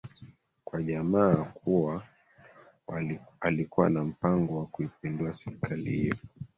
kwa jama kuwa alikuwa na mpango wa kuipindua serikali hiyo